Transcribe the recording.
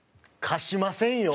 貸しませんよ。